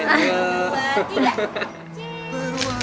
aduh kurang enak